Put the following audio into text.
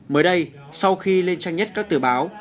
mới đây sau khi lên trang nhất các tờ báo